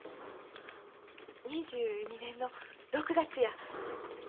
２２年の６月や。